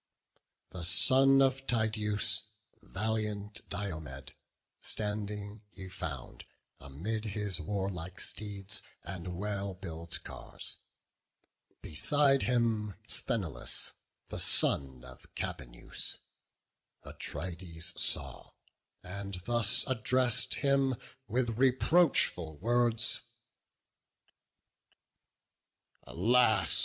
The son of Tydeus, valiant Diomed, Standing he found amid his warlike steeds And well built cars; beside him, Sthenelus, The son of Capaneus; Atrides saw, And thus address'd him with reproachful words: "Alas!